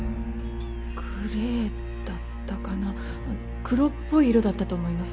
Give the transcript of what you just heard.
グレーだったかな黒っぽい色だったと思います